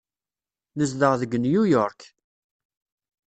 Nezdeɣ deg New York.